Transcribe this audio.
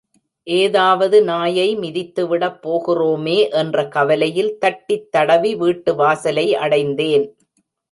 ஏதாவது நாயை மிதித்துவிடப் போகிறோமே என்ற கவலையில் தட்டித் தடவி வீட்டு வாசலை அடைந்தேன்.